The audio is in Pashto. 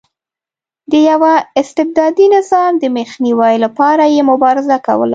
د یوه استبدادي نظام د مخنیوي لپاره یې مبارزه کوله.